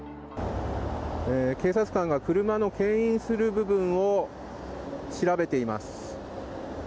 警察官が車の牽引する部分を調べています。